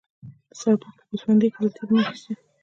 د سرپل په ګوسفندي کې د تیلو نښې شته.